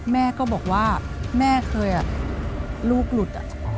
แม่ก็บอกว่าแม่เคยลูกหลุด